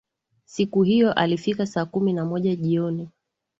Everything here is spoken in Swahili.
Siku hiyo alifika saa kumi na moja jioni